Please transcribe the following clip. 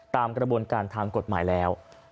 ตามกระบวนการทางกฎหมายแล้ว